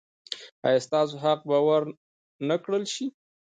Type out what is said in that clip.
ایا ستاسو حق به ور نه کړل شي؟